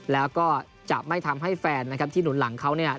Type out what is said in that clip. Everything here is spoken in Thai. แล้วก็จะไม่ทำให้แฟนนะครับที่หนุนหลังเขาเนี่ย